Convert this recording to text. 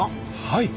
はい。